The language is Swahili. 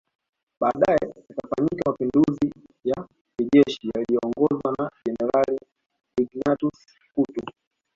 Baadae yakafanyika Mapinduzi ya kijeshi yaliyoongozwa na Jenerali Ignatius Kutu